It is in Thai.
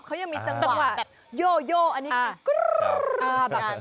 กคราวนี้มันยังจะมีจังหวะโยโยครับ